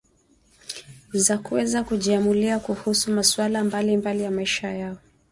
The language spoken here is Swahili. za kuweza kujiamulia kuhusu masuala mbali mbali ya maisha yao